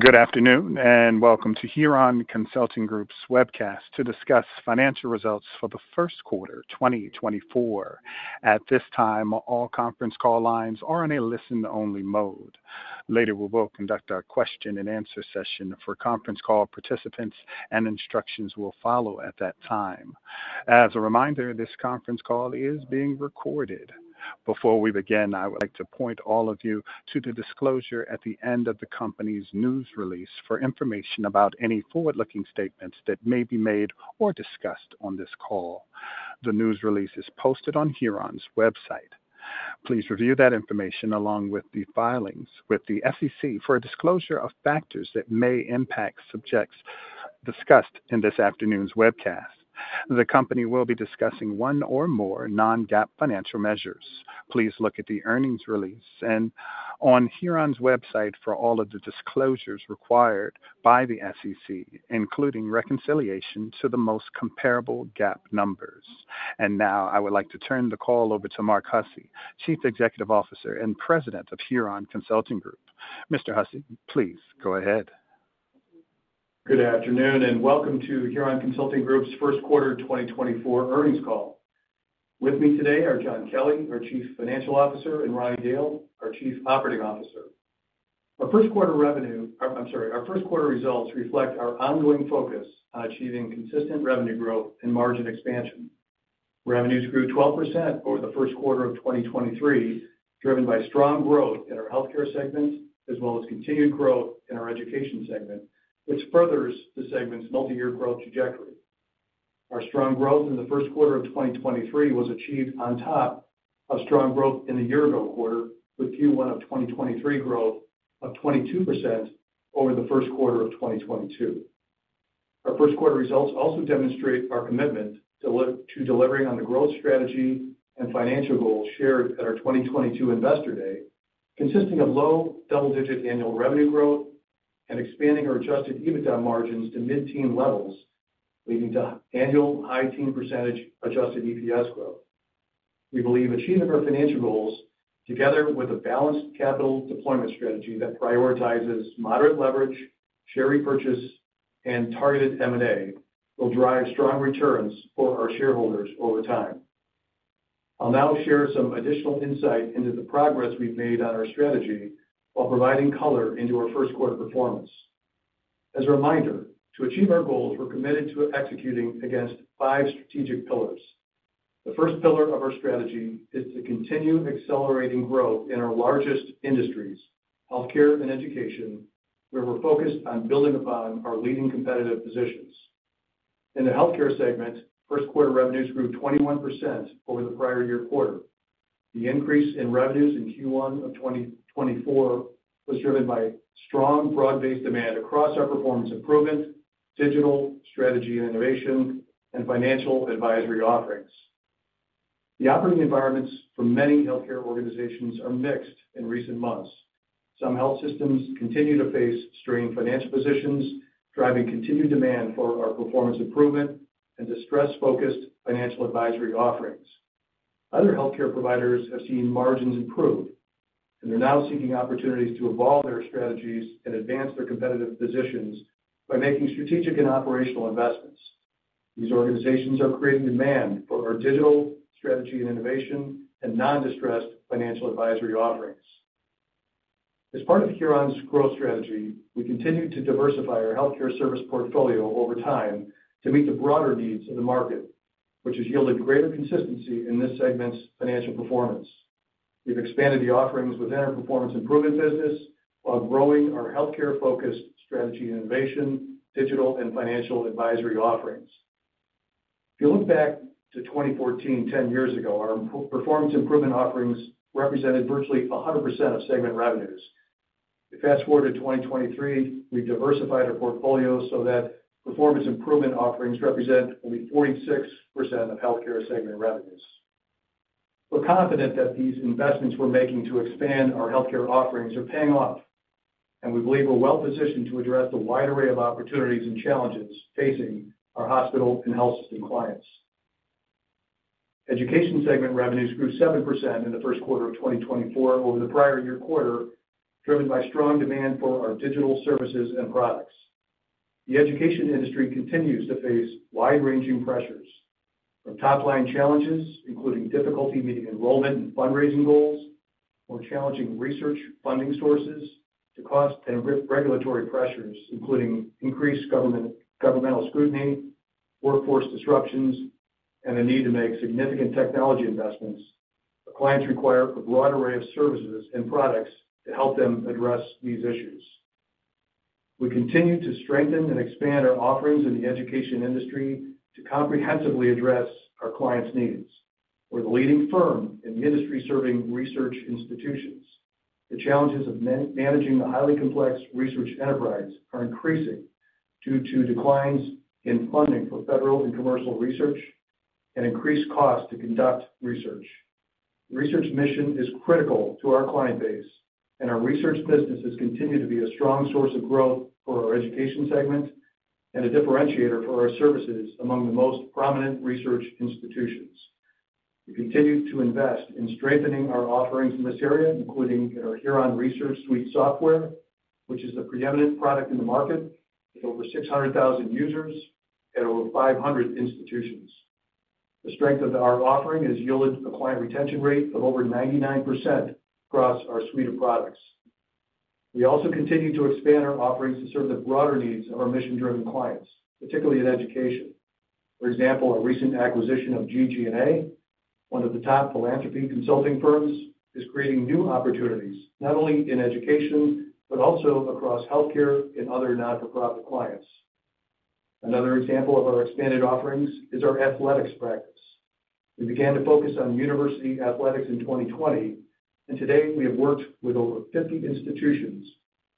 Good afternoon, and welcome to Huron Consulting Group's webcast to discuss financial results for the first quarter, 2024. At this time, all conference call lines are in a listen-only mode. Later, we will conduct our question-and-answer session for conference call participants, and instructions will follow at that time. As a reminder, this conference call is being recorded. Before we begin, I would like to point all of you to the disclosure at the end of the company's news release for information about any forward-looking statements that may be made or discussed on this call. The news release is posted on Huron's website. Please review that information along with the filings with the SEC for a disclosure of factors that may impact subjects discussed in this afternoon's webcast. The company will be discussing one or more non-GAAP financial measures. Please look at the earnings release and on Huron's website for all of the disclosures required by the SEC, including reconciliation to the most comparable GAAP numbers. Now I would like to turn the call over to Mark Hussey, Chief Executive Officer and President of Huron Consulting Group. Mr. Hussey, please go ahead. Good afternoon, and welcome to Huron Consulting Group's first quarter 2024 earnings call. With me today are John Kelly, our Chief Financial Officer, and Ronnie Dail, our Chief Operating Officer. Our first quarter revenue... I'm sorry, our first quarter results reflect our ongoing focus on achieving consistent revenue growth and margin expansion. Revenues grew 12% over the first quarter of 2023, driven by strong growth in our healthcare segment, as well as continued growth in our education segment, which furthers the segment's multiyear growth trajectory. Our strong growth in the first quarter of 2023 was achieved on top of strong growth in the year-ago quarter, with Q1 of 2023 growth of 22% over the first quarter of 2022. Our first quarter result also demonstrate our commitment to delivering on the growth strategy and financial goals shared at our 2022 Investor Day, consisting of low double-digit annual revenue growth and expanding our adjusted EBITDA margins to mid-teen levels, leading to annual high-teen percentage adjusted EPS growth. We believe achievement of our financial goals, together with a balanced capital deployment strategy that prioritizes moderate leverage, share repurchase, and targeted M&A, will drive strong returns for our shareholders over time. I'll now share some additional insight into the progress we've made on our strategy while providing color into our first quarter performance. As a reminder, to achieve our goals, we're committed to executing against five strategic pillars. The first pillar of our strategy is to continue accelerating growth in our largest industries, healthcare and education, where we're focused on building upon our leading competitive positions. In the healthcare segment, first quarter revenues grew 21% over the prior year quarter. The increase in revenues in Q1 of 2024 was driven by strong, broad-based demand across our performance improvement, digital strategy and innovation, and financial advisory offerings. The operating environments for many healthcare organizations are mixed in recent months. Some health systems continue to face strained financial positions, driving continued demand for our performance improvement and distress-focused financial advisory offerings. Other healthcare providers have seen margins improve, and they're now seeking opportunities to evolve their strategies and advance their competitive positions by making strategic and operational investments. These organizations are creating demand for our digital strategy and innovation and non-distressed financial advisory offerings. As part of Huron's growth strategy, we continue to diversify our healthcare service portfolio over time to meet the broader needs of the market, which has yielded greater consistency in this segment's financial performance. We've expanded the offerings within our performance improvement business, while growing our healthcare-focused strategy and innovation, digital, and financial advisory offerings. If you look back to 2014, ten years ago, our performance improvement offerings represented virtually 100% of segment revenues. You fast-forward to 2023, we've diversified our portfolio so that performance improvement offerings represent only 46% of healthcare segment revenues. We're confident that these investments we're making to expand our healthcare offerings are paying off, and we believe we're well positioned to address the wide array of opportunities and challenges facing our hospital and health system clients. Education segment revenues grew 7% in the first quarter of 2024 over the prior year quarter, driven by strong demand for our digital services and products. The education industry continues to face wide-ranging pressures from top-line challenges, including difficulty meeting enrollment and fundraising goals, more challenging research funding sources to cost and regulatory pressures, including increased governmental scrutiny, workforce disruptions, and the need to make significant technology investments. The clients require a broad array of services and products to help them address these issues. We continue to strengthen and expand our offerings in the education industry to comprehensively address our clients' needs. We're the leading firm in the industry serving research institutions. The challenges of managing the highly complex research enterprise are increasing due to declines in funding for federal and commercial research and increased costs to conduct research. Research mission is critical to our client base, and our research businesses continue to be a strong source of growth for our education segment and a differentiator for our services among the most prominent research institutions. We continue to invest in strengthening our offerings in this area, including our Huron Research Suite software, which is the preeminent product in the market, with over 600,000 users and over 500 institutions. The strength of our offering has yielded a client retention rate of over 99% across our suite of products. We also continue to expand our offerings to serve the broader needs of our mission-driven clients, particularly in education. For example, our recent acquisition of GG+A, one of the top philanthropy consulting firms, is creating new opportunities, not only in education, but also across healthcare and other not-for-profit clients. Another example of our expanded offerings is our athletics practice. We began to focus on university athletics in 2020, and today we have worked with over 50 institutions,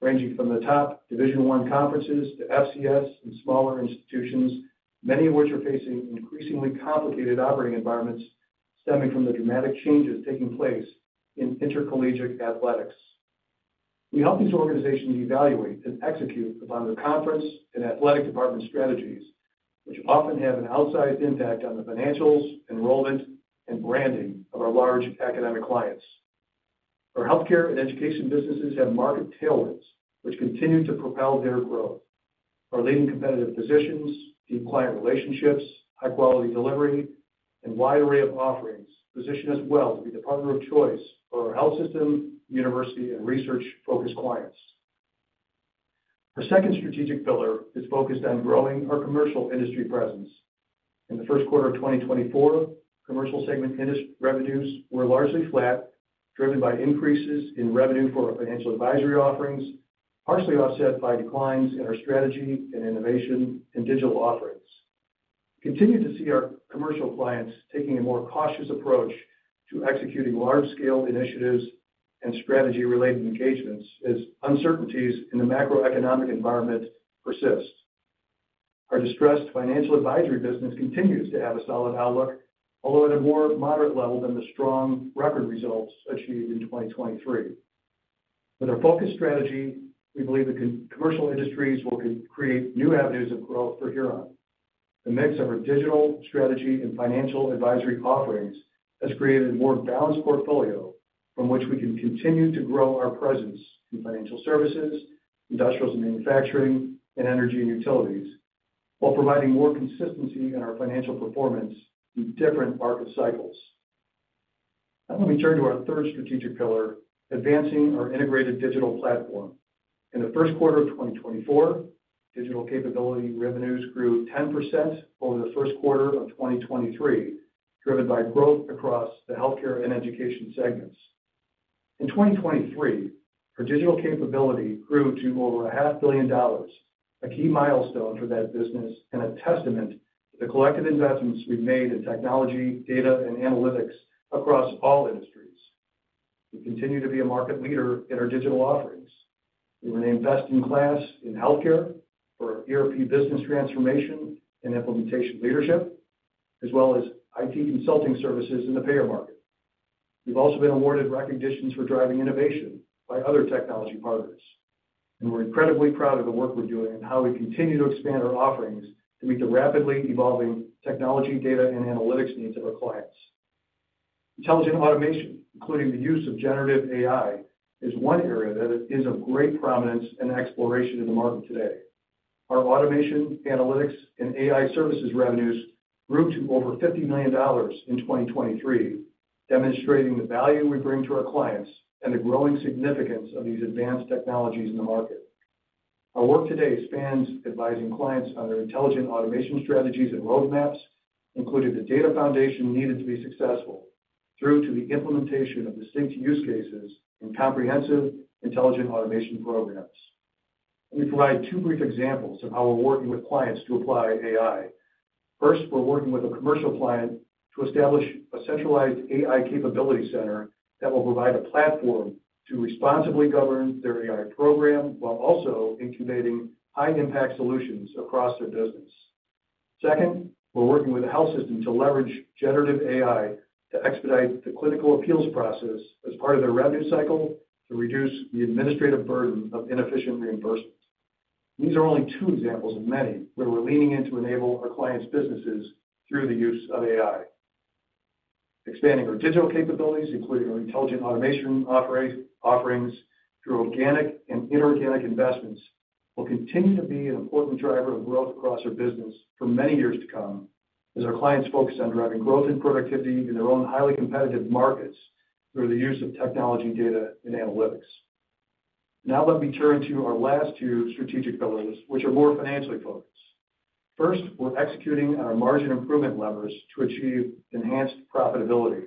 ranging from the top Division I conferences to FCS and smaller institutions, many of which are facing increasingly complicated operating environments stemming from the dramatic changes taking place in intercollegiate athletics. We help these organizations evaluate and execute upon their conference and athletic department strategies, which often have an outsized impact on the financials, enrollment, and branding of our large academic clients. Our healthcare and education businesses have market tailwinds, which continue to propel their growth. Our leading competitive positions, deep client relationships, high-quality delivery, and wide array of offerings position us well to be the partner of choice for our health system, university, and research-focused clients. Our second strategic pillar is focused on growing our commercial industry presence. In the first quarter of 2024, commercial segment industry revenues were largely flat, driven by increases in revenue for our financial advisory offerings, partially offset by declines in our strategy and innovation and digital offerings. We continue to see our commercial clients taking a more cautious approach to executing large-scale initiatives and strategy-related engagements as uncertainties in the macroeconomic environment persist. Our distressed financial advisory business continues to have a solid outlook, although at a more moderate level than the strong record results achieved in 2023. With our focused strategy, we believe the commercial industries will create new avenues of growth for Huron. The mix of our digital strategy and financial advisory offerings has created a more balanced portfolio from which we can continue to grow our presence in financial services, industrials and manufacturing, and energy and utilities, while providing more consistency in our financial performance through different market cycles. Now let me turn to our third strategic pillar, advancing our integrated digital platform. In the first quarter of 2024, digital capability revenues grew 10% over the first quarter of 2023, driven by growth across the healthcare and education segments. In 2023, our digital capability grew to over $500 million, a key milestone for that business and a testament to the collective investments we've made in technology, data, and analytics across all industries. We continue to be a market leader in our digital offerings. We were named Best in KLAS in healthcare for our ERP business transformation and implementation leadership, as well as IT consulting services in the payer market. We've also been awarded recognitions for driving innovation by other technology partners, and we're incredibly proud of the work we're doing and how we continue to expand our offerings to meet the rapidly evolving technology, data, and analytics needs of our clients. Intelligent automation, including the use of generative AI, is one area that is of great prominence and exploration in the market today. Our automation, analytics, and AI services revenues grew to over $50 million in 2023, demonstrating the value we bring to our clients and the growing significance of these advanced technologies in the market. Our work today spans advising clients on their intelligent automation strategies and roadmaps, including the data foundation needed to be successful, through to the implementation of distinct use cases and comprehensive intelligent automation programs. Let me provide two brief examples of how we're working with clients to apply AI. First, we're working with a commercial client to establish a centralized AI capability center that will provide a platform to responsibly govern their AI program, while also incubating high-impact solutions across their business. Second, we're working with a health system to leverage generative AI to expedite the clinical appeals process as part of their revenue cycle to reduce the administrative burden of inefficient reimbursements. These are only two examples of many where we're leaning in to enable our clients' businesses through the use of AI. Expanding our digital capabilities, including our intelligent automation offerings, through organic and inorganic investments, will continue to be an important driver of growth across our business for many years to come, as our clients focus on driving growth and productivity in their own highly competitive markets through the use of technology, data, and analytics. Now let me turn to our last two strategic pillars, which are more financially focused. First, we're executing on our margin improvement levers to achieve enhanced profitability.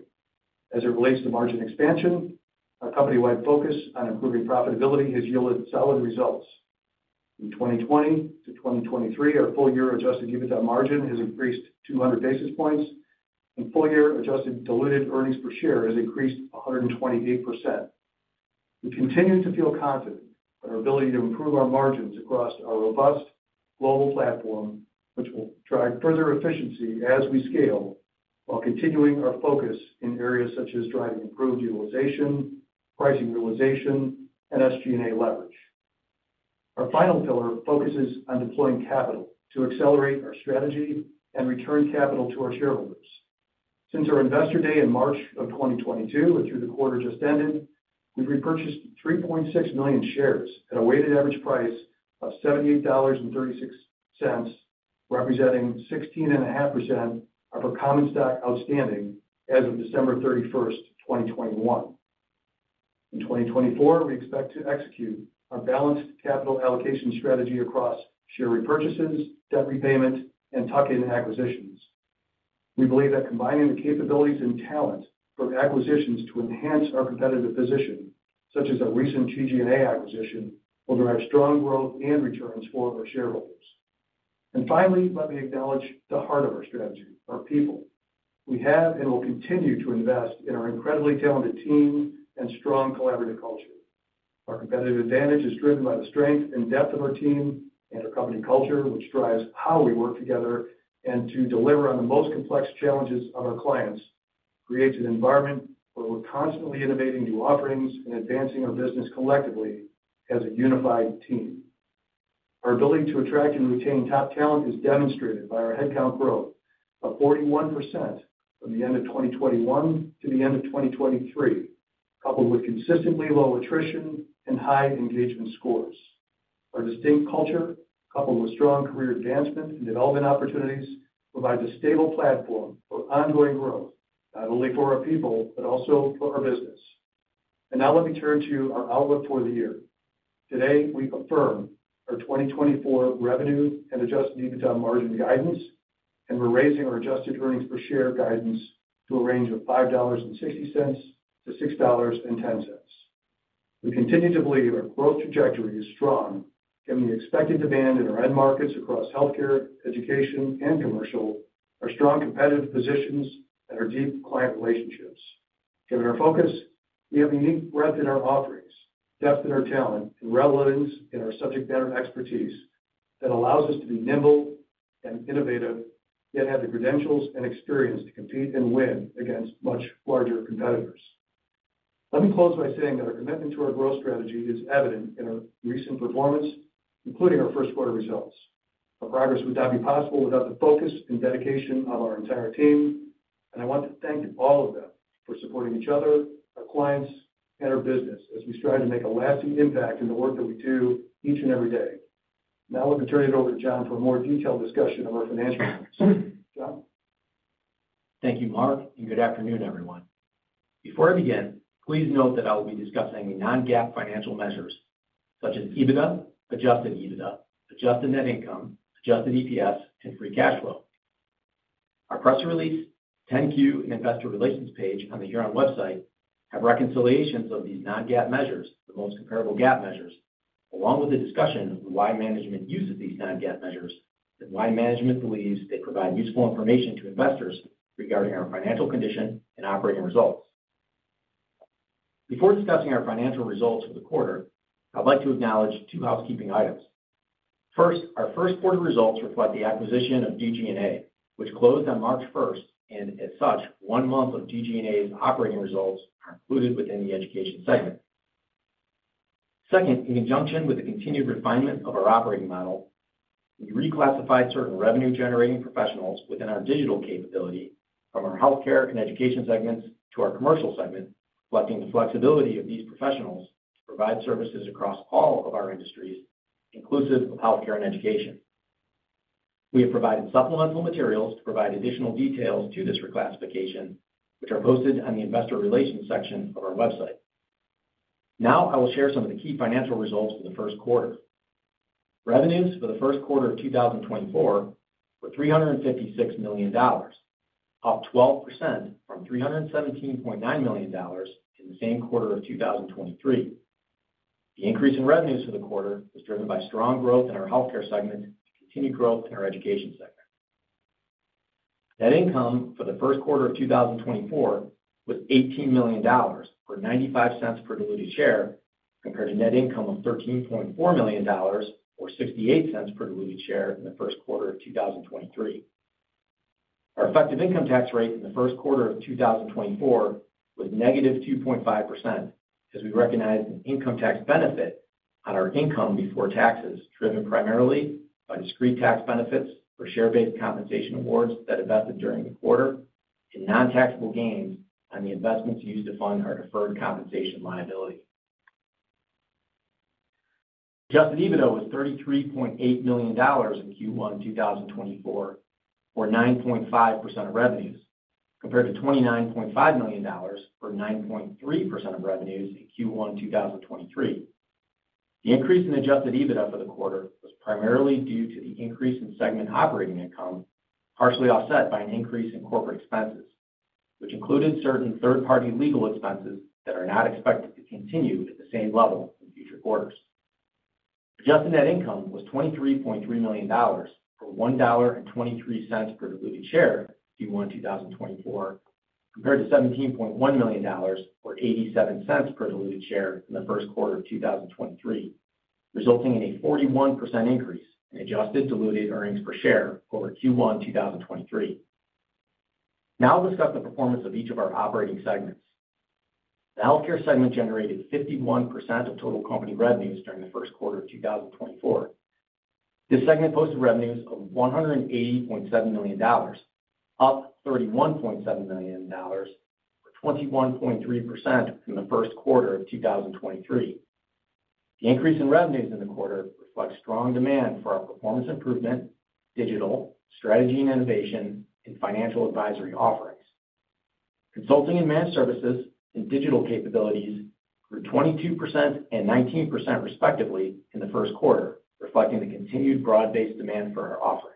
As it relates to margin expansion, our company-wide focus on improving profitability has yielded solid results. In 2020 to 2023, our full-year adjusted EBITDA margin has increased 200 basis points, and full-year adjusted diluted earnings per share has increased 128%. We continue to feel confident in our ability to improve our margins across our robust global platform, which will drive further efficiency as we scale, while continuing our focus in areas such as driving improved utilization, pricing realization, and SG&A leverage. Our final pillar focuses on deploying capital to accelerate our strategy and return capital to our shareholders. Since our Investor Day in March of 2022 and through the quarter just ended, we've repurchased 3.6 million shares at a weighted average price of $78.36, representing 16.5% of our common stock outstanding as of December 31, 2021. In 2024, we expect to execute our balanced capital allocation strategy across share repurchases, debt repayment, and tuck-in acquisitions. We believe that combining the capabilities and talent from acquisitions to enhance our competitive position, such as our recent GG+A acquisition, will drive strong growth and returns for our shareholders. And finally, let me acknowledge the heart of our strategy, our people. We have and will continue to invest in our incredibly talented team and strong collaborative culture. Our competitive advantage is driven by the strength and depth of our team and our company culture, which drives how we work together, and to deliver on the most complex challenges of our clients, creates an environment where we're constantly innovating new offerings and advancing our business collectively as a unified team. Our ability to attract and retain top talent is demonstrated by our headcount growth of 41% from the end of 2021 to the end of 2023, coupled with consistently low attrition and high engagement scores. Our distinct culture, coupled with strong career advancement and development opportunities, provides a stable platform for ongoing growth, not only for our people, but also for our business. And now let me turn to our outlook for the year. Today, we confirm our 2024 revenue and adjusted EBITDA margin guidance, and we're raising our adjusted earnings per share guidance to a range of $5.60-$6.10. We continue to believe our growth trajectory is strong, given the expected demand in our end markets across healthcare, education, and commercial, our strong competitive positions, and our deep client relationships. Given our focus, we have unique breadth in our offerings, depth in our talent, and relevance in our subject matter expertise that allows us to be nimble and innovative, yet have the credentials and experience to compete and win against much larger competitors. Let me close by saying that our commitment to our growth strategy is evident in our recent performance, including our first quarter results. Our progress would not be possible without the focus and dedication of our entire team, and I want to thank all of them for supporting each other, our clients, and our business as we strive to make a lasting impact in the work that we do each and every day. Now, let me turn it over to John for a more detailed discussion of our financial results. John? Thank you, Mark, and good afternoon, everyone. Before I begin, please note that I will be discussing non-GAAP financial measures, such as EBITDA, adjusted EBITDA, adjusted net income, adjusted EPS, and free cash flow. Our press release, 10-Q, and investor relations page on the Huron website have reconciliations of these non-GAAP measures, the most comparable GAAP measures, along with a discussion of why management uses these non-GAAP measures and why management believes they provide useful information to investors regarding our financial condition and operating results. Before discussing our financial results for the quarter, I'd like to acknowledge two housekeeping items. First, our first quarter results reflect the acquisition of GG+A, which closed on March 1, and as such, 1 month of GG+A's operating results are included within the education segment. Second, in conjunction with the continued refinement of our operating model, we reclassified certain revenue-generating professionals within our digital capability from our healthcare and education segments to our commercial segment, reflecting the flexibility of these professionals to provide services across all of our industries, inclusive of healthcare and education. We have provided supplemental materials to provide additional details to this reclassification, which are posted on the investor relations section of our website. Now, I will share some of the key financial results for the first quarter. Revenues for the first quarter of 2024 were $356 million, up 12% from $317.9 million in the same quarter of 2023. The increase in revenues for the quarter was driven by strong growth in our healthcare segment and continued growth in our education segment. Net income for the first quarter of 2024 was $18 million, or $0.95 per diluted share, compared to net income of $13.4 million, or $0.68 per diluted share in the first quarter of 2023. Our effective income tax rate in the first quarter of 2024 was -2.5%, as we recognized an income tax benefit on our income before taxes, driven primarily by discrete tax benefits for share-based compensation awards that vested during the quarter, and non-taxable gains on the investments used to fund our deferred compensation liability. Adjusted EBITDA was $33.8 million in Q1 2024, or 9.5% of revenues, compared to $29.5 million, or 9.3% of revenues in Q1 2023. The increase in adjusted EBITDA for the quarter was primarily due to the increase in segment operating income, partially offset by an increase in corporate expenses, which included certain third-party legal expenses that are not expected to continue at the same level in future quarters. Adjusted net income was $23.3 million, or $1.23 per diluted share in Q1 2024, compared to $17.1 million, or $0.87 per diluted share in the first quarter of 2023, resulting in a 41% increase in adjusted diluted earnings per share over Q1 2023.... Now I'll discuss the performance of each of our operating segments. The healthcare segment generated 51% of total company revenues during the first quarter of 2024. This segment posted revenues of $180.7 million, up $31.7 million, or 21.3% from the first quarter of 2023. The increase in revenues in the quarter reflects strong demand for our performance improvement, digital, strategy and innovation, and financial advisory offerings. Consulting and managed services and digital capabilities grew 22% and 19%, respectively, in the first quarter, reflecting the continued broad-based demand for our offerings.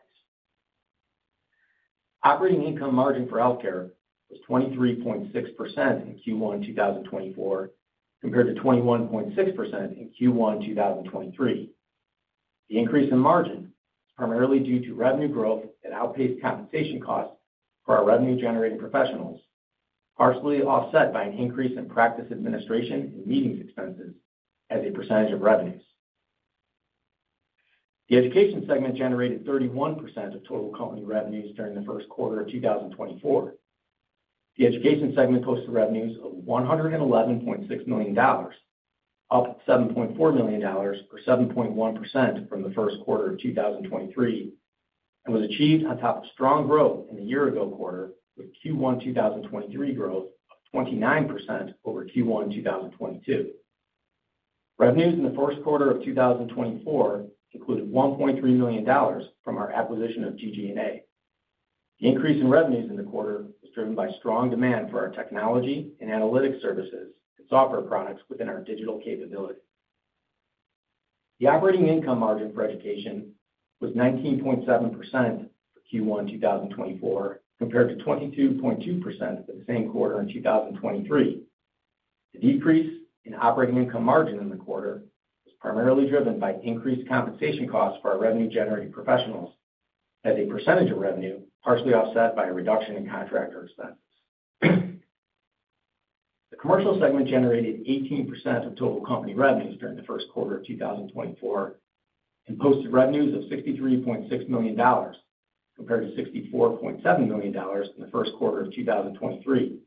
Operating income margin for healthcare was 23.6% in Q1 2024, compared to 21.6% in Q1 2023. The increase in margin is primarily due to revenue growth that outpaced compensation costs for our revenue-generating professionals, partially offset by an increase in practice administration and meetings expenses as a percentage of revenues. The education segment generated 31% of total company revenues during the first quarter of 2024. The education segment posted revenues of $111.6 million, up $7.4 million, or 7.1% from the first quarter of 2023, and was achieved on top of strong growth in the year-ago quarter, with Q1 2023 growth of 29% over Q1 2022. Revenues in the first quarter of 2024 included $1.3 million from our acquisition of GG+A. The increase in revenues in the quarter was driven by strong demand for our technology and analytics services and software products within our digital capability. The operating income margin for education was 19.7% for Q1 2024, compared to 22.2% for the same quarter in 2023. The decrease in operating income margin in the quarter was primarily driven by increased compensation costs for our revenue-generating professionals as a percentage of revenue, partially offset by a reduction in contractor expenses. The commercial segment generated 18% of total company revenues during the first quarter of 2024 and posted revenues of $63.6 million, compared to $64.7 million in the first quarter of 2023.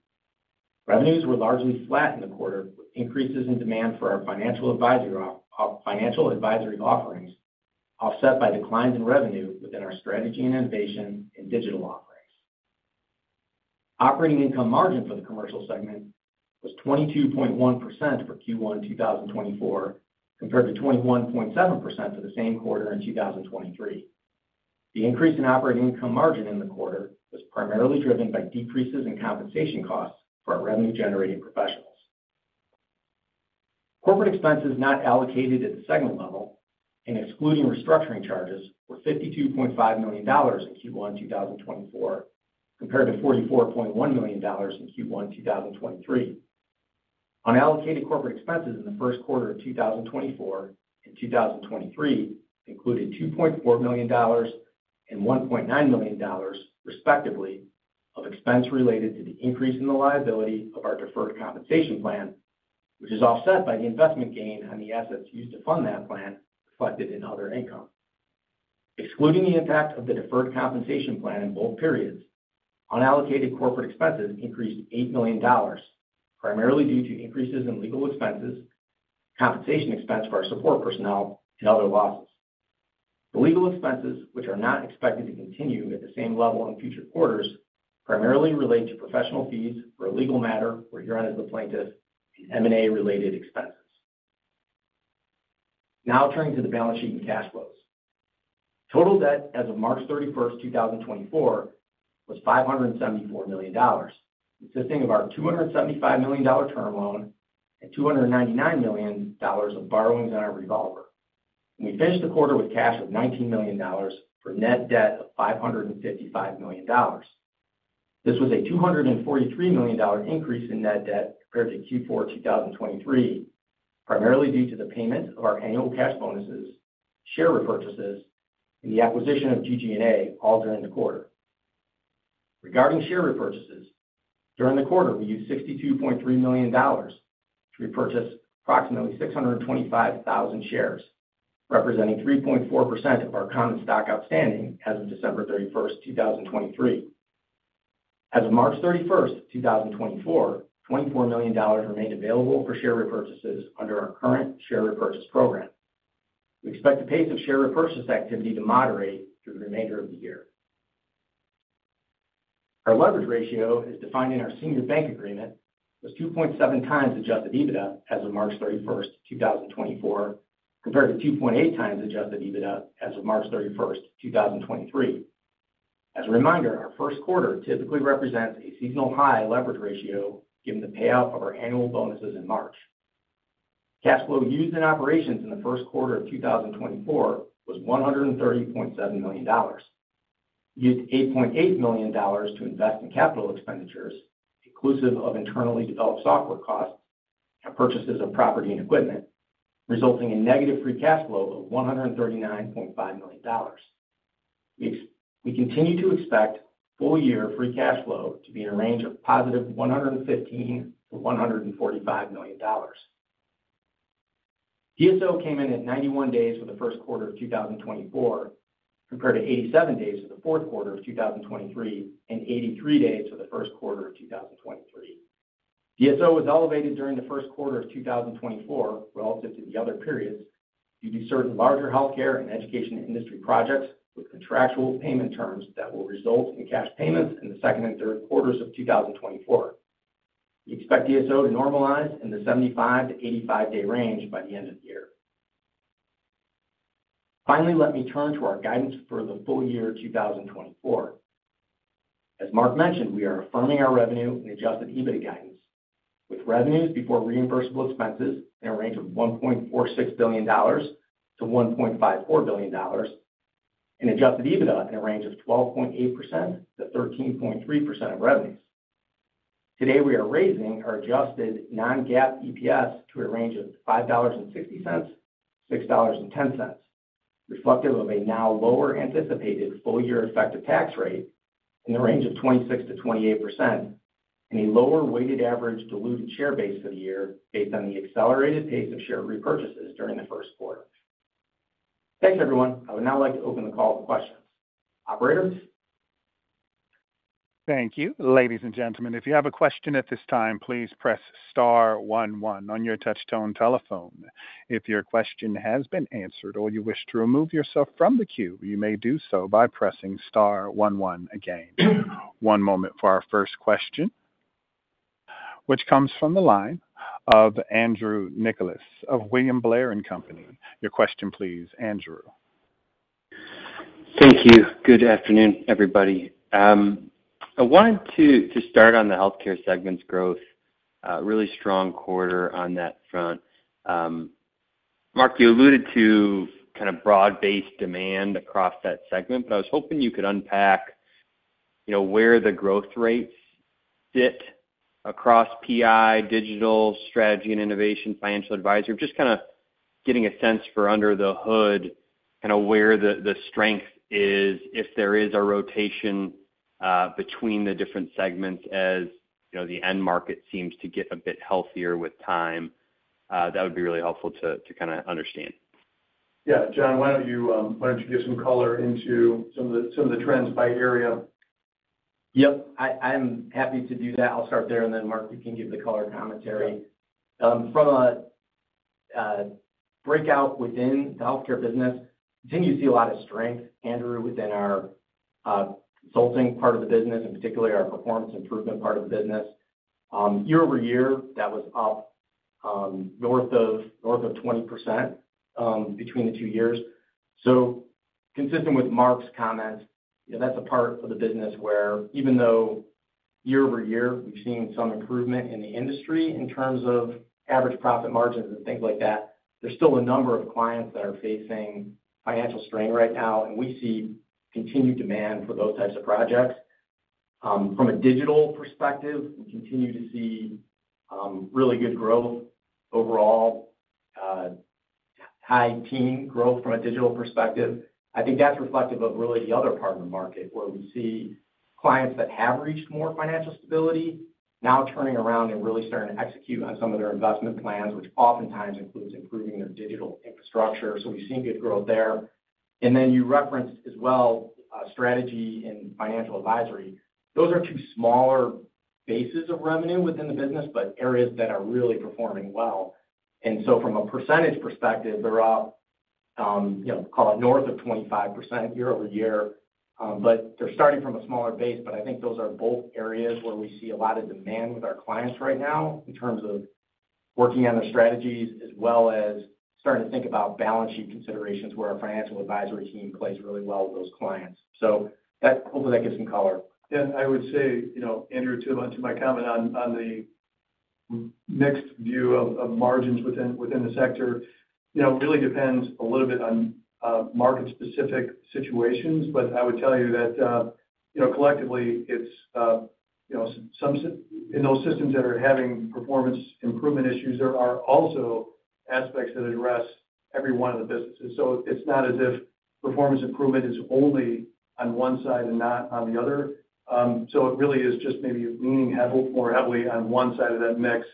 Revenues were largely flat in the quarter, with increases in demand for our financial advisory offerings, offset by declines in revenue within our strategy and innovation and digital offerings. Operating income margin for the commercial segment was 22.1% for Q1 2024, compared to 21.7% for the same quarter in 2023. The increase in operating income margin in the quarter was primarily driven by decreases in compensation costs for our revenue-generating professionals. Corporate expenses not allocated at the segment level and excluding restructuring charges were $52.5 million in Q1 2024, compared to $44.1 million in Q1 2023. Unallocated corporate expenses in the first quarter of 2024 and 2023 included $2.4 million and $1.9 million, respectively, of expense related to the increase in the liability of our deferred compensation plan, which is offset by the investment gain on the assets used to fund that plan, reflected in other income. Excluding the impact of the deferred compensation plan in both periods, unallocated corporate expenses increased $8 million, primarily due to increases in legal expenses, compensation expense for our support personnel, and other losses. The legal expenses, which are not expected to continue at the same level in future quarters, primarily relate to professional fees for a legal matter where Huron is the plaintiff and M&A related expenses. Now turning to the balance sheet and cash flows. Total debt as of March 31, 2024, was $574 million, consisting of our $275 million term loan and $299 million of borrowings on our revolver. We finished the quarter with cash of $19 million for net debt of $555 million. This was a $243 million increase in net debt compared to Q4 2023, primarily due to the payment of our annual cash bonuses, share repurchases, and the acquisition of GG+A, all during the quarter. Regarding share repurchases, during the quarter, we used $62.3 million to repurchase approximately 625,000 shares, representing 3.4% of our common stock outstanding as of December 31, 2023. As of March 31, 2024, $24 million remained available for share repurchases under our current share repurchase program. We expect the pace of share repurchase activity to moderate through the remainder of the year. Our leverage ratio is defined in our senior bank agreement was 2.7x adjusted EBITDA as of March 31, 2024, compared to 2.8x adjusted EBITDA as of March 31, 2023. As a reminder, our first quarter typically represents a seasonal high leverage ratio, given the payout of our annual bonuses in March. Cash flow used in operations in the first quarter of 2024 was $130.7 million, used $8.8 million to invest in capital expenditures, inclusive of internally developed software costs and purchases of property and equipment, resulting in negative free cash flow of $139.5 million. We continue to expect full-year free cash flow to be in a range of $115 million-$145 million.... DSO came in at 91 days for the first quarter of 2024, compared to 87 days for the fourth quarter of 2023, and 83 days for the first quarter of 2023. DSO was elevated during the first quarter of 2024 relative to the other periods, due to certain larger healthcare and education industry projects with contractual payment terms that will result in cash payments in the second and third quarters of 2024. We expect DSO to normalize in the 75-85 day range by the end of the year. Finally, let me turn to our guidance for the full year 2024. As Mark mentioned, we are affirming our revenue and adjusted EBITDA guidance, with revenues before reimbursable expenses in a range of $1.46 billion-$1.54 billion, and adjusted EBITDA in a range of 12.8%-13.3% of revenues. Today, we are raising our adjusted non-GAAP EPS to a range of $5.60-$6.10, reflective of a now lower anticipated full year effective tax rate in the range of 26%-28%, and a lower weighted average diluted share base for the year based on the accelerated pace of share repurchases during the first quarter. Thanks, everyone. I would now like to open the call for questions. Operator? Thank you. Ladies and gentlemen, if you have a question at this time, please press star one one on your touchtone telephone. If your question has been answered or you wish to remove yourself from the queue, you may do so by pressing star one one again. One moment for our first question, which comes from the line of Andrew Nicholas of William Blair & Company. Your question, please, Andrew. Thank you. Good afternoon, everybody. I wanted to start on the healthcare segment's growth, a really strong quarter on that front. Mark, you alluded to kind of broad-based demand across that segment, but I was hoping you could unpack, you know, where the growth rates sit across PI, digital, strategy and innovation, financial advisory. Just kind of getting a sense for under the hood, kind of where the strength is, if there is a rotation between the different segments, as you know, the end market seems to get a bit healthier with time. That would be really helpful to kind of understand. Yeah. John, why don't you, why don't you give some color into some of the, some of the trends by area? Yep, I'm happy to do that. I'll start there, and then Mark, you can give the color commentary. Sure. From a breakout within the healthcare business, continue to see a lot of strength, Andrew, within our consulting part of the business, and particularly our performance improvement part of the business. Year-over-year, that was up north of 20% between the two years. So consistent with Mark's comments, you know, that's a part of the business where even though year-over-year, we've seen some improvement in the industry in terms of average profit margins and things like that, there's still a number of clients that are facing financial strain right now, and we see continued demand for those types of projects. From a digital perspective, we continue to see really good growth overall, high teen growth from a digital perspective. I think that's reflective of really the other part of the market, where we see clients that have reached more financial stability now turning around and really starting to execute on some of their investment plans, which oftentimes includes improving their digital infrastructure. So we've seen good growth there. And then you referenced as well, strategy and financial advisory. Those are two smaller bases of revenue within the business, but areas that are really performing well. And so from a percentage perspective, they're up, you know, call it north of 25% year-over-year, but they're starting from a smaller base. But I think those are both areas where we see a lot of demand with our clients right now in terms of working on their strategies, as well as starting to think about balance sheet considerations, where our financial advisory team plays really well with those clients. So hopefully, that gives some color. Yeah, I would say, you know, Andrew, too, to my comment on the mixed view of margins within the sector, you know, it really depends a little bit on market specific situations. But I would tell you that, you know, collectively, it's, you know, in those systems that are having performance improvement issues, there are also aspects that address every one of the businesses. So it's not as if performance improvement is only on one side and not on the other. So it really is just maybe leaning heavily, more heavily on one side of that mix.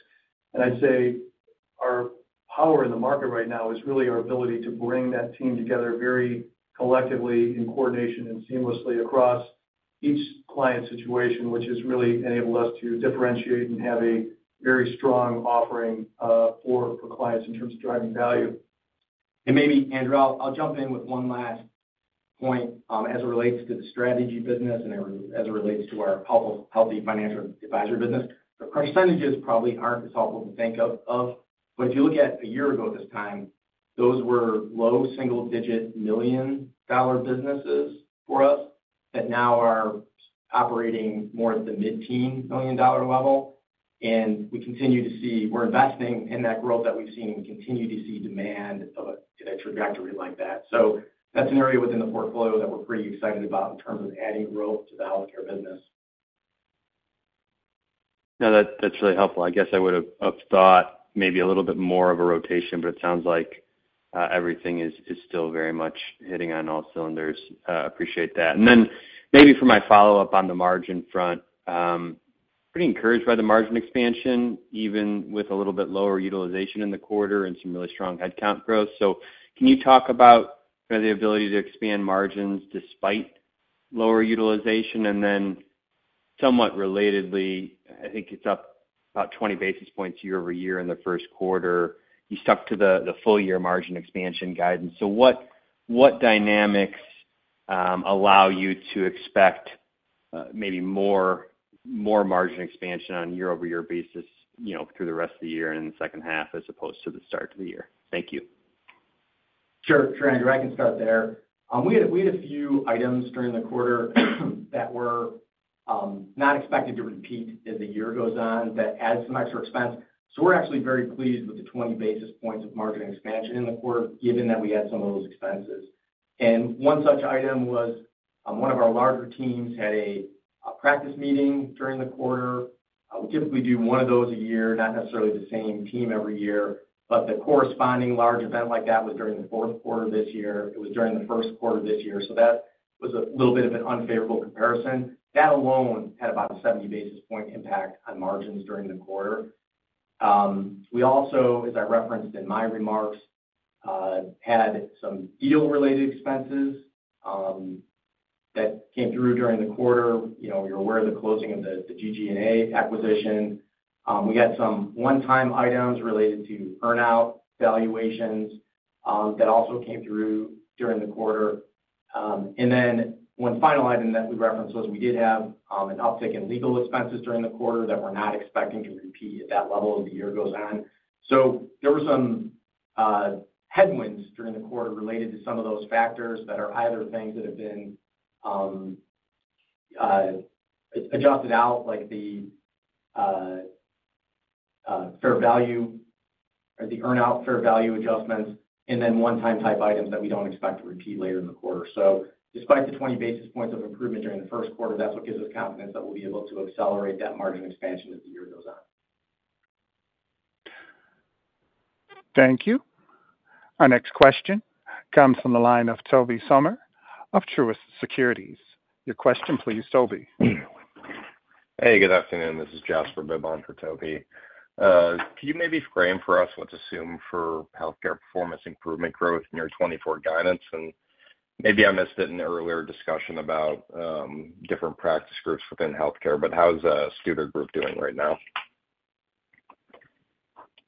I'd say our power in the market right now is really our ability to bring that team together very collectively in coordination and seamlessly across each client situation, which has really enabled us to differentiate and have a very strong offering for clients in terms of driving value. And maybe, Andrew, I'll jump in with one last point, as it relates to the strategy business and as it relates to our healthy financial advisory business. The percentages probably aren't as helpful to think of, but if you look at a year ago at this time, those were low single-digit million-dollar businesses for us, that now are operating more at the mid-teen million-dollar level. And we continue to see—we're investing in that growth that we've seen and continue to see demand of a trajectory like that. So that's an area within the portfolio that we're pretty excited about in terms of adding growth to the healthcare business. No, that, that's really helpful. I guess I would've thought maybe a little bit more of a rotation, but it sounds like everything is still very much hitting on all cylinders. Appreciate that. And then maybe for my follow-up on the margin front, pretty encouraged by the margin expansion, even with a little bit lower utilization in the quarter and some really strong headcount growth. So can you talk about the ability to expand margins despite lower utilization? And then somewhat relatedly, I think it's up about 20 basis points year-over-year in the first quarter. You stuck to the full year margin expansion guidance. So what dynamics allow you to expect maybe more margin expansion on a year-over-year basis, you know, through the rest of the year and in the second half, as opposed to the start of the year? Thank you. Sure, Trevor, I can start there. We had a few items during the quarter that were not expected to repeat as the year goes on. That adds some extra expense. So we're actually very pleased with the 20 basis points of margin expansion in the quarter, given that we had some of those expenses. And one such item was one of our larger teams had a practice meeting during the quarter. We typically do one of those a year, not necessarily the same team every year, but the corresponding large event like that was during the fourth quarter this year; it was during the first quarter this year. So that was a little bit of an unfavorable comparison. That alone had about a 70 basis point impact on margins during the quarter. We also, as I referenced in my remarks, had some deal-related expenses that came through during the quarter. You know, you're aware of the closing of the GG+A acquisition. We had some one-time items related to earn-out valuations that also came through during the quarter. And then one final item that we referenced was we did have an uptick in legal expenses during the quarter that we're not expecting to repeat at that level as the year goes on. So there were some headwinds during the quarter related to some of those factors that are either things that have been adjusted out, like the fair value or the earn-out fair value adjustments, and then one-time type items that we don't expect to repeat later in the quarter. Despite the 20 basis points of improvement during the first quarter, that's what gives us confidence that we'll be able to accelerate that margin expansion as the year goes on. Thank you. Our next question comes from the line of Toby Sommer of Truist Securities. Your question, please, Toby. Hey, good afternoon. This is Jasper Bibb for Toby. Can you maybe frame for us what to assume for healthcare performance improvement growth in your 2024 guidance? And maybe I missed it in the earlier discussion about different practice groups within healthcare, but how's Studer Group doing right now?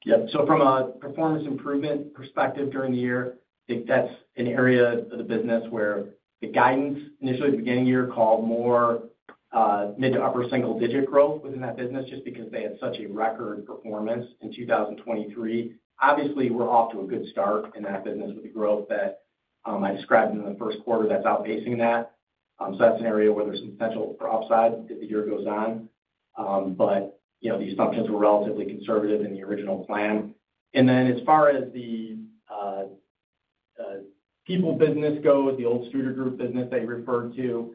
Yeah, so from a performance improvement perspective during the year, I think that's an area of the business where the guidance, initially at the beginning of the year, called more mid- to upper-single-digit growth within that business, just because they had such a record performance in 2023. Obviously, we're off to a good start in that business with the growth that I described in the first quarter that's outpacing that. So that's an area where there's some potential for upside as the year goes on. But, you know, the assumptions were relatively conservative in the original plan. And then as far as the people business go, the old Studer Group business that you referred to,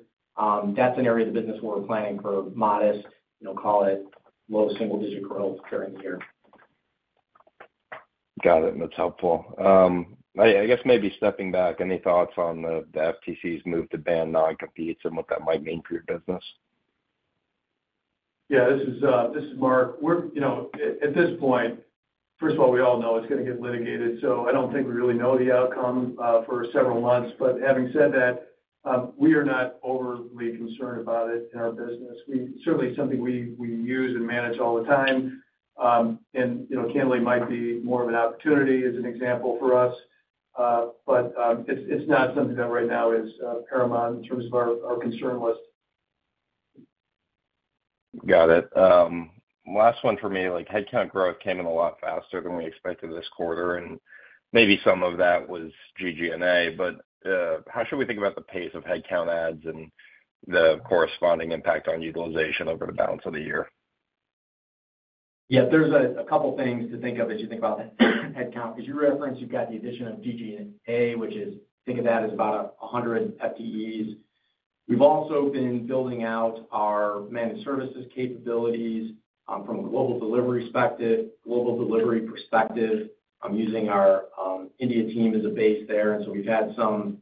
that's an area of the business where we're planning for modest, you know, call it low-single-digit growth during the year. Got it. That's helpful. I guess maybe stepping back, any thoughts on the FTC's move to ban noncompetes and what that might mean for your business? Yeah, this is Mark. You know, at this point, first of all, we all know it's gonna get litigated, so I don't think we really know the outcome for several months. But having said that, we are not overly concerned about it in our business. Certainly, it's something we use and manage all the time. And, you know, candidly might be more of an opportunity as an example for us, but it's not something that right now is paramount in terms of our concern list. Got it. Last one for me, like, headcount growth came in a lot faster than we expected this quarter, and maybe some of that was GG+A, but, how should we think about the pace of headcount adds and the corresponding impact on utilization over the balance of the year? Yeah, there's a couple things to think of as you think about headcount. As you referenced, you've got the addition of GG+A, which is, think of that as about 100 FTEs. We've also been building out our managed services capabilities, from a global delivery perspective, using our India team as a base there. And so we've had some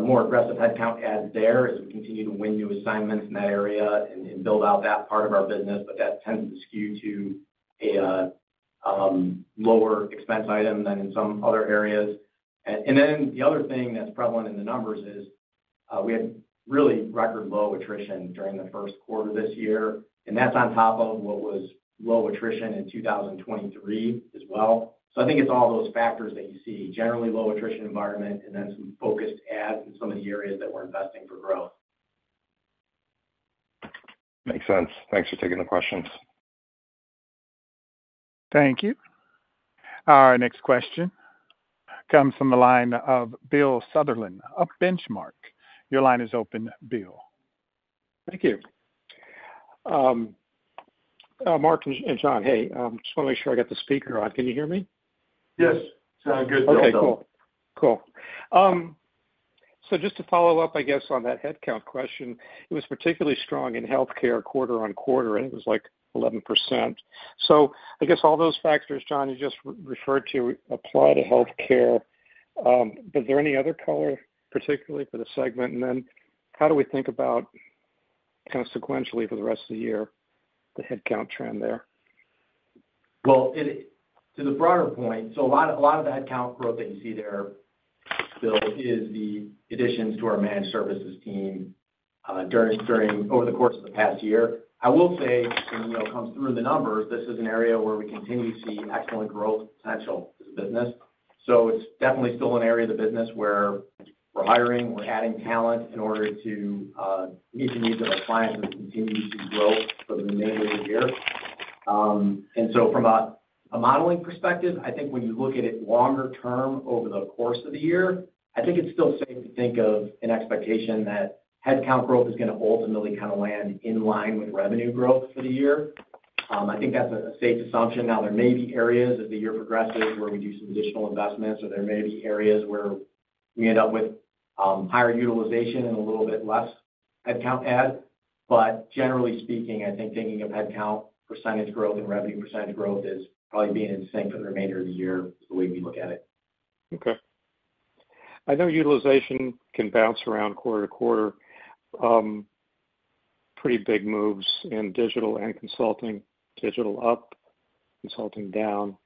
more aggressive headcount adds there as we continue to win new assignments in that area and build out that part of our business, but that tends to skew to a lower expense item than in some other areas. And then the other thing that's prevalent in the numbers is we had really record low attrition during the first quarter of this year, and that's on top of what was low attrition in 2023 as well. I think it's all those factors that you see, generally low attrition environment and then some focused adds in some of the areas that we're investing for growth. Makes sense. Thanks for taking the questions. Thank you. Our next question comes from the line of Bill Sutherland of Benchmark. Your line is open, Bill. Thank you. Mark and John, hey, just wanna make sure I got the speaker on. Can you hear me? Yes, sounds good. Okay, cool. Cool. So just to follow up, I guess, on that headcount question, it was particularly strong in healthcare quarter-on-quarter, and it was like 11%. So I guess all those factors, John, you just re-referred to apply to healthcare.... is there any other color, particularly for the segment? And then how do we think about consequentially for the rest of the year, the headcount trend there? Well, to the broader point, so a lot, a lot of the headcount growth that you see there, Bill, is the additions to our managed services team during over the course of the past year. I will say, and you know, it comes through the numbers, this is an area where we continue to see excellent growth potential as a business. So it's definitely still an area of the business where we're hiring, we're adding talent in order to meet the needs of our clients as we continue to grow for the remainder of the year. And so from a modeling perspective, I think when you look at it longer term over the course of the year, I think it's still safe to think of an expectation that headcount growth is going to ultimately kind of land in line with revenue growth for the year. I think that's a safe assumption. Now, there may be areas as the year progresses where we do some additional investments, or there may be areas where we end up with higher utilization and a little bit less headcount add. But generally speaking, I think thinking of headcount percentage growth and revenue percentage growth is probably being in sync for the remainder of the year, the way we look at it. Okay. I know utilization can bounce around quarter to quarter. Pretty big moves in digital and consulting. Digital up, consulting down.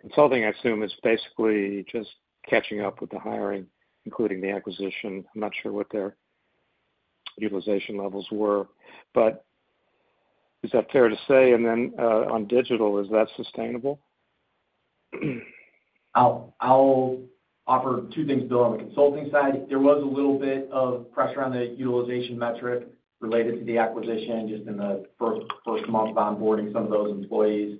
Consulting, I assume, is basically just catching up with the hiring, including the acquisition. I'm not sure what their utilization levels were, but is that fair to say? And then, on digital, is that sustainable? I'll offer two things, Bill. On the consulting side, there was a little bit of pressure on the utilization metric related to the acquisition, just in the first month of onboarding some of those employees.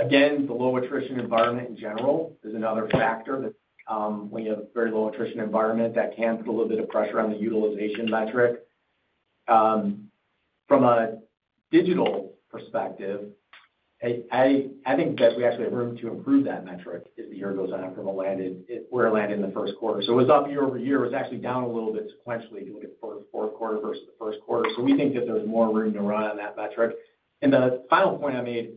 Again, the low attrition environment in general is another factor that, when you have a very low attrition environment, that can put a little bit of pressure on the utilization metric. From a digital perspective, I think that we actually have room to improve that metric as the year goes on from where it landed in the first quarter. So it was up year-over-year, it was actually down a little bit sequentially, looking at fourth quarter versus the first quarter. So we think that there's more room to run on that metric. The final point I made,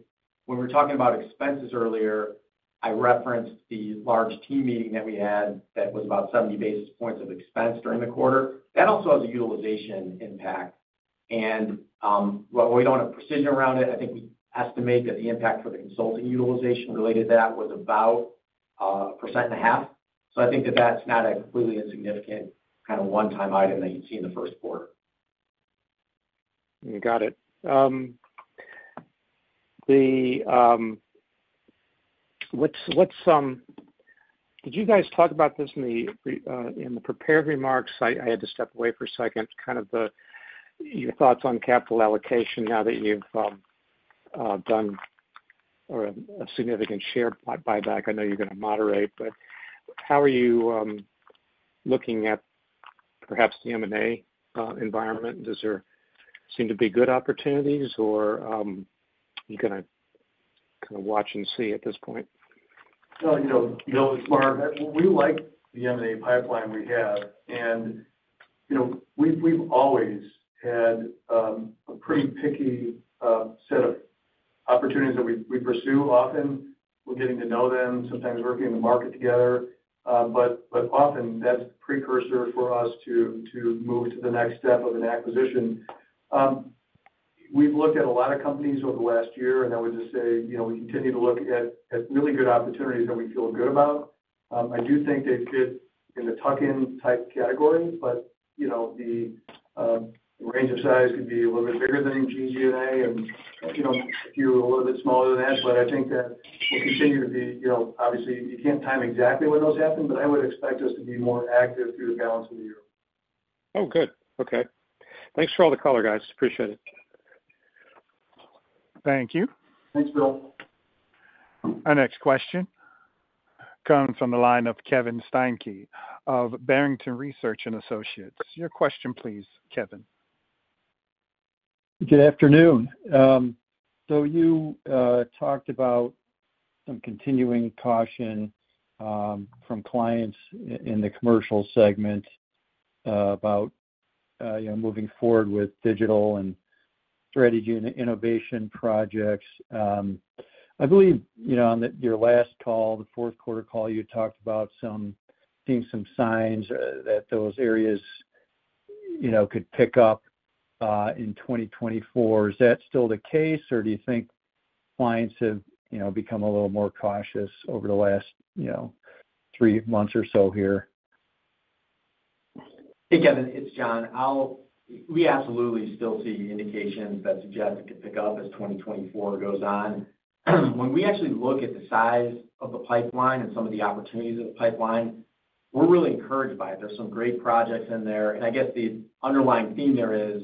when we were talking about expenses earlier, I referenced the large team meeting that we had that was about 70 basis points of expense during the quarter. That also has a utilization impact. While we don't have precision around it, I think we estimate that the impact for the consulting utilization related to that was about 1.5%. I think that that's not a completely insignificant kind of one-time item that you'd see in the first quarter. You got it. What's... Did you guys talk about this in the prepared remarks? I had to step away for a second. Kind of, your thoughts on capital allocation now that you've done a significant share buyback. I know you're going to moderate, but how are you looking at perhaps the M&A environment? Does there seem to be good opportunities or you gonna kind of watch and see at this point? Well, you know, you know, Mark, we like the M&A pipeline we have. And, you know, we've always had a pretty picky set of opportunities that we pursue. Often, we're getting to know them, sometimes working in the market together, but often that's precursor for us to move to the next step of an acquisition. We've looked at a lot of companies over the last year, and I would just say, you know, we continue to look at really good opportunities that we feel good about. I do think they fit in the tuck-in type category, but, you know, the range of size could be a little bit bigger than GG+A and, you know, a few, a little bit smaller than that. I think that we'll continue to be, you know, obviously, you can't time exactly when those happen, but I would expect us to be more active through the balance of the year. Oh, good. Okay. Thanks for all the color, guys. Appreciate it. Thank you. Thanks, Bill. Our next question comes from the line of Kevin Steinke of Barrington Research. Your question, please, Kevin. Good afternoon. So you talked about some continuing caution from clients in the commercial segment about, you know, moving forward with digital and strategy and innovation projects. I believe, you know, on your last call, the fourth quarter call, you talked about seeing some signs that those areas, you know, could pick up in 2024. Is that still the case, or do you think clients have, you know, become a little more cautious over the last, you know, three months or so here? Hey, Kevin, it's John. We absolutely still see indications that suggest it could pick up as 2024 goes on. When we actually look at the size of the pipeline and some of the opportunities of the pipeline, we're really encouraged by it. There's some great projects in there, and I guess the underlying theme there is,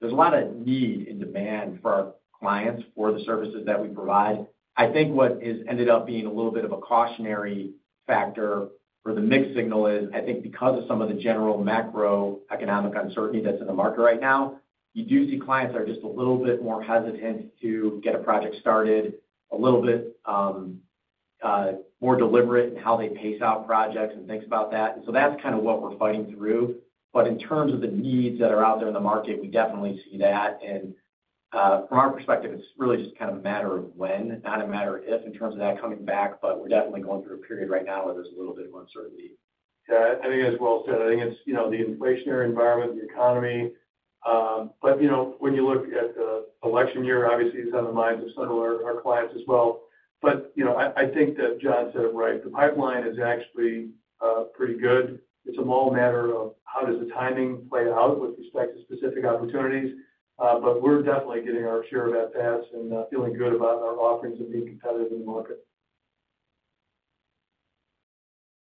there's a lot of need and demand for our clients for the services that we provide. I think what has ended up being a little bit of a cautionary factor or the mixed signal is, I think because of some of the general macroeconomic uncertainty that's in the market right now, you do see clients are just a little bit more hesitant to get a project started, a little bit, more deliberate in how they pace out projects and things about that. That's kind of what we're fighting through. In terms of the needs that are out there in the market, we definitely see that, from our perspective, it's really just kind of a matter of when, not a matter of if, in terms of that coming back, but we're definitely going through a period right now where there's a little bit of uncertainty. Yeah, I think that's well said. I think it's, you know, the inflationary environment, the economy, but, you know, when you look at the election year, obviously, it's on the minds of some of our clients as well. But, you know, I think that John said it right. The pipeline is actually pretty good. It's more a matter of how the timing plays out with respect to specific opportunities, but we're definitely getting our share of that space and feeling good about our offerings and being competitive in the market.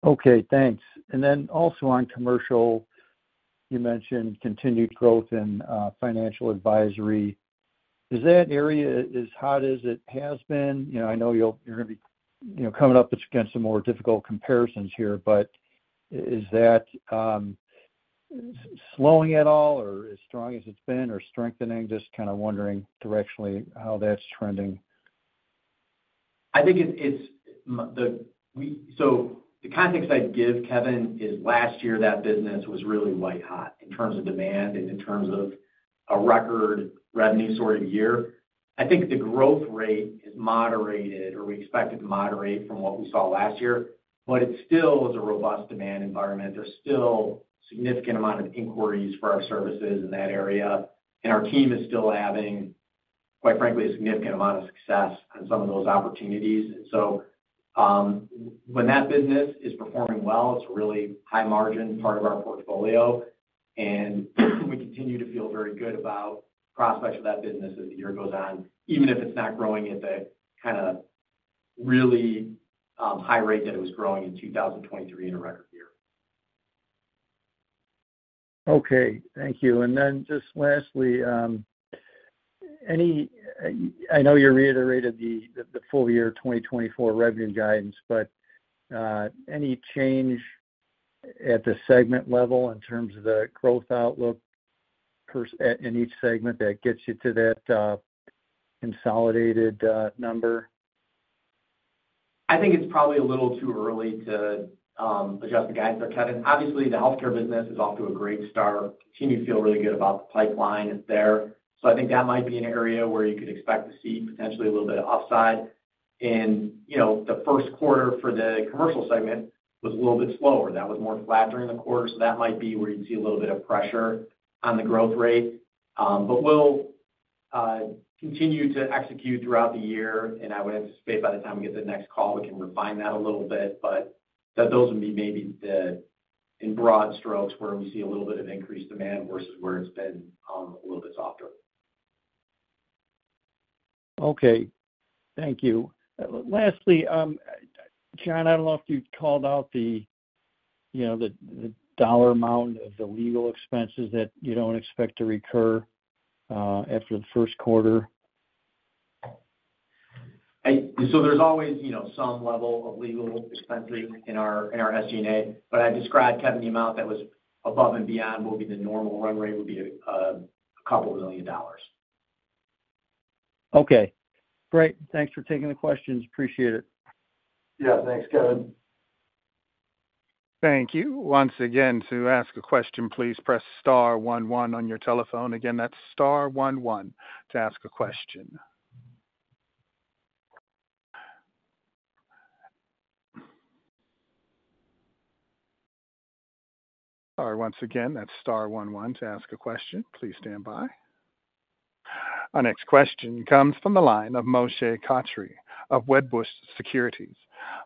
Okay, thanks. And then also on commercial, you mentioned continued growth in financial advisory. Is that area as hot as it has been? You know, I know you're gonna be, you know, coming up against some more difficult comparisons here, but is that slowing at all, or as strong as it's been, or strengthening? Just kind of wondering directionally how that's trending. I think it's the context I'd give, Kevin, is last year, that business was really white hot in terms of demand and in terms of a record revenue sort of year. I think the growth rate is moderated, or we expect it to moderate from what we saw last year, but it still is a robust demand environment. There's still significant amount of inquiries for our services in that area, and our team is still having, quite frankly, a significant amount of success on some of those opportunities. So, when that business is performing well, it's a really high margin part of our portfolio, and we continue to feel very good about prospects for that business as the year goes on, even if it's not growing at the kind of really high rate that it was growing in 2023 in a record year. Okay. Thank you. And then just lastly, any... I know you reiterated the full year 2024 revenue guidance, but any change at the segment level in terms of the growth outlook in each segment that gets you to that consolidated number? I think it's probably a little too early to adjust the guidance there, Kevin. Obviously, the healthcare business is off to a great start. Team, we feel really good about the pipeline there. So I think that might be an area where you could expect to see potentially a little bit of upside. And, you know, the first quarter for the commercial segment was a little bit slower. That was more flat during the quarter, so that might be where you'd see a little bit of pressure on the growth rate. But we'll continue to execute throughout the year, and I would anticipate by the time we get to the next call, we can refine that a little bit, but that those would be maybe the, in broad strokes, where we see a little bit of increased demand versus where it's been a little bit softer. Okay. Thank you. Lastly, John, I don't know if you called out the, you know, the dollar amount of the legal expenses that you don't expect to recur after the first quarter? There's always, you know, some level of legal expenses in our, in our SG&A, but I described, Kevin, the amount that was above and beyond what would be the normal run rate, would be $2 million. Okay, great. Thanks for taking the questions. Appreciate it. Yeah. Thanks, Kevin. Thank you. Once again, to ask a question, please press star one one on your telephone. Again, that's star one one to ask a question. Sorry, once again, that's star one one to ask a question. Please stand by. Our next question comes from the line of Moshe Katri of Wedbush Securities.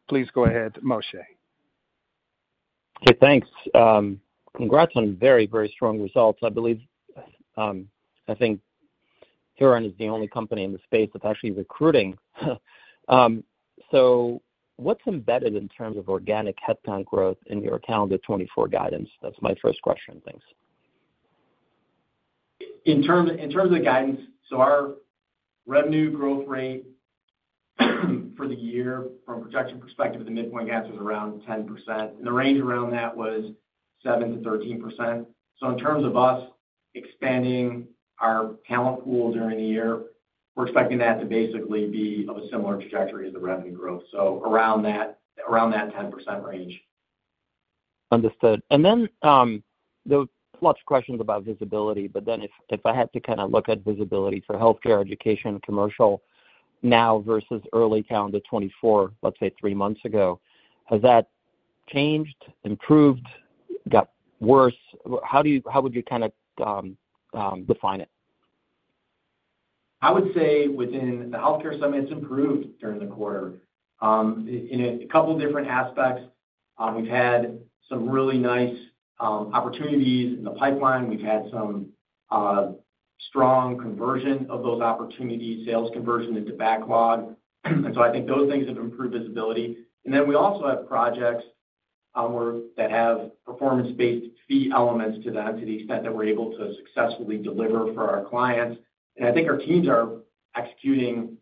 Please go ahead, Moshe. Okay, thanks. Congrats on very, very strong results. I believe, I think Huron is the only company in the space that's actually recruiting. So what's embedded in terms of organic headcount growth in your calendar 2024 guidance? That's my first question. Thanks. In terms of the guidance, so our revenue growth rate, for the year, from a projection perspective, the midpoint guidance was around 10%, and the range around that was 7%-13%. So in terms of us expanding our talent pool during the year, we're expecting that to basically be of a similar trajectory as the revenue growth. So around that, around that 10% range. Understood. And then, there were lots of questions about visibility, but then if I had to kind of look at visibility for Healthcare, Education, Commercial now versus early calendar 2024, let's say three months ago, has that changed, improved, got worse? How do you? How would you kind of define it? I would say within the healthcare segment, it's improved during the quarter in a couple different aspects. We've had some really nice opportunities in the pipeline. We've had some strong conversion of those opportunities, sales conversion into backlog. And so I think those things have improved visibility. And then we also have projects that have performance-based fee elements to them, to the extent that we're able to successfully deliver for our clients. And I think our teams are executing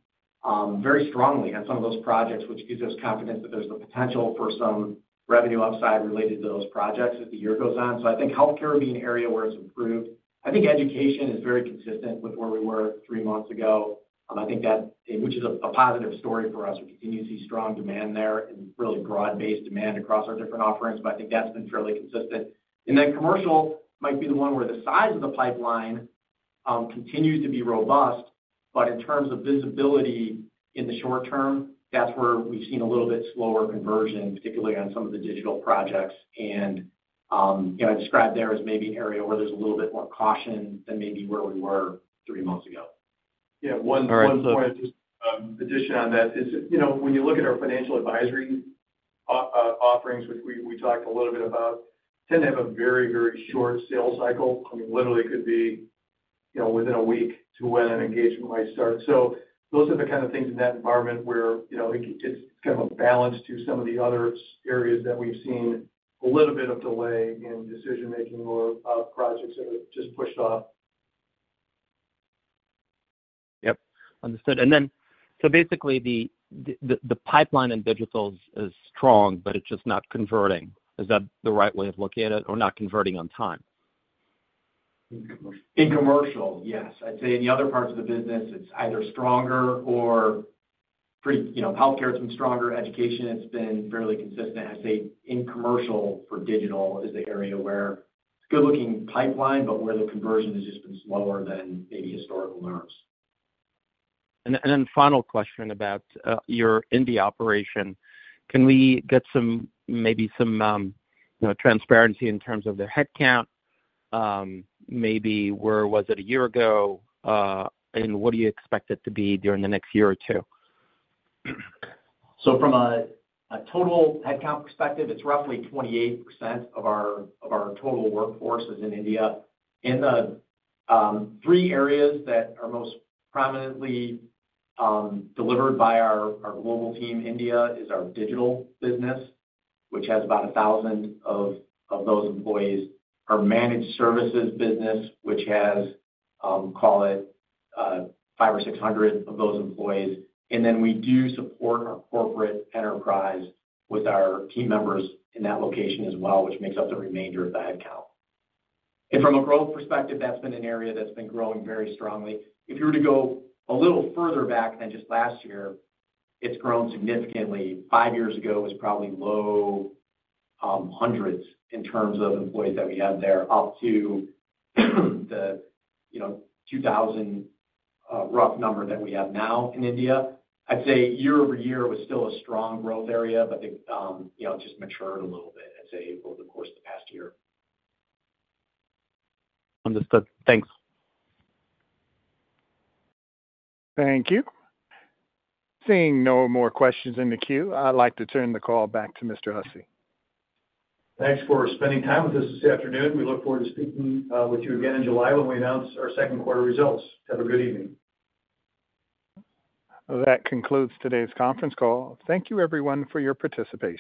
very strongly on some of those projects, which gives us confidence that there's the potential for some revenue upside related to those projects as the year goes on. So I think healthcare being an area where it's improved. I think education is very consistent with where we were three months ago. I think that, which is a positive story for us. We continue to see strong demand there and really broad-based demand across our different offerings, but I think that's been fairly consistent. And then commercial might be the one where the size of the pipeline continued to be robust, but in terms of visibility in the short term, that's where we've seen a little bit slower conversion, particularly on some of the digital projects. And, you know, I described there as maybe an area where there's a little bit more caution than maybe where we were three months ago. Yeah, one point, addition on that is, you know, when you look at our financial advisory offerings, which we talked a little bit about, tend to have a very, very short sales cycle. I mean, literally could be, you know, within a week to when an engagement might start. So those are the kind of things in that environment where, you know, it, it's kind of a balance to some of the other areas that we've seen a little bit of delay in decision-making or projects that have just pushed off. Yep, understood. And then, so basically, the pipeline in digital is strong, but it's just not converting. Is that the right way of looking at it, or not converting on time? In commercial, yes. I'd say in the other parts of the business, it's either stronger or pretty... You know, healthcare, it's been stronger, education, it's been fairly consistent. I'd say in commercial for digital is the area where it's a good-looking pipeline, but where the conversion has just been slower than maybe historical norms. And then final question about your India operation. Can we get some, maybe some, you know, transparency in terms of the headcount, maybe where was it a year ago, and what do you expect it to be during the next year or two? So from a total headcount perspective, it's roughly 28% of our total workforce is in India. And the three areas that are most prominently delivered by our global team in India are our digital business, which has about 1,000 of those employees. Our managed services business, which has call it 500-600 of those employees. And then we do support our corporate enterprise with our team members in that location as well, which makes up the remainder of the headcount. And from a growth perspective, that's been an area that's been growing very strongly. If you were to go a little further back than just last year, it's grown significantly. Five years ago, it was probably low hundreds in terms of employees that we had there, up to you know 2,000 rough number that we have now in India. I'd say year-over-year was still a strong growth area, but it you know just matured a little bit, I'd say, over the course of the past year. Understood. Thanks. Thank you. Seeing no more questions in the queue, I'd like to turn the call back to Mr. Hussey. Thanks for spending time with us this afternoon. We look forward to speaking with you again in July when we announce our second quarter results. Have a good evening. That concludes today's conference call. Thank you, everyone, for your participation.